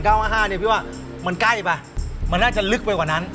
ห้าเนี่ยพี่ว่ามันใกล้ป่ะมันน่าจะลึกไปกว่านั้น